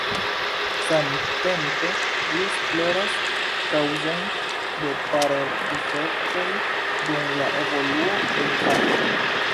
Samtempe ĝi esploras kaŭzojn de parol-difektoj dum la evoluo de infano.